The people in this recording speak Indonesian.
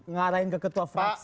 ngarahin ke ketua fraksi